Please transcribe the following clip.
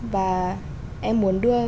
và em muốn đưa